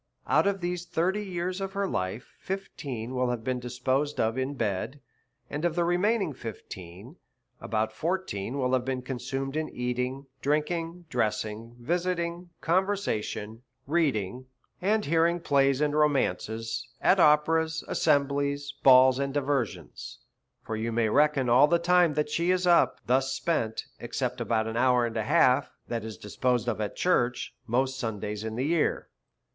Out of this thirty years of her life, fifteen of them will have been disposed of in bed ; and of the remaining fifteen, about fourteen of them will have been consumed in eating, drinking, dressing, visiting, conversing, reading and hearing plays and romances at operas, assemblies, balls, and diversions. For you may reckon all the time she is up, thus spent, except about an hour and a half that is disposed of in church, most Sundays in the year.